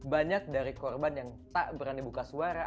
banyak dari korban yang tak berani buka suara